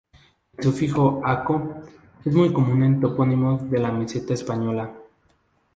El sufijo "aco" es muy común en topónimos de la meseta española.